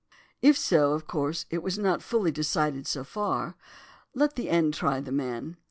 "If so, of course it was not fully decided so far. Let the end try the man.